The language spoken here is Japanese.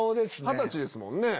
二十歳ですもんね。